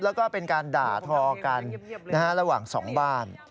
แล้วก็เป็นการด่าทอกันระหว่างสองบ้าน